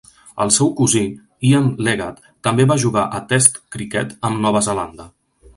El seu cosí, Ian Leggat, també va jugar a Test criquet amb Nova Zelanda.